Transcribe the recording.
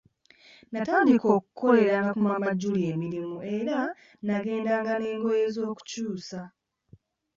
Natandika okukoleranga ku Maama Julie emirimu era nagendanga n'engoye ez'okukyusa.